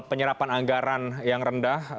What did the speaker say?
penyerapan anggaran yang rendah